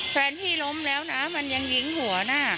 แฟนพี่ล้มแล้วมันยังหญิงหัวหน้า